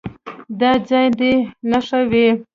دا ځای دې نښه وي.